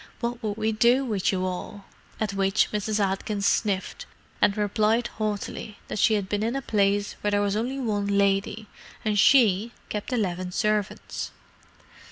What would we do with you all?" At which Mrs. Atkins sniffed, and replied haughtily that she had been in a place where there was only one lady, and she kept eleven servants.